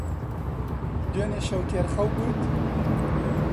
دوێنێ شەو تێر خەو بوویت؟